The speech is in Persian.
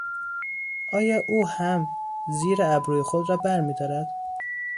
آیا او هم زیر ابروی خود را بر میدارد؟